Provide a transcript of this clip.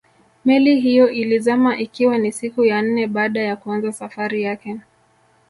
Meli hiyo ilizama ikiwa ni siku ya nne baada ya kuanza safari yake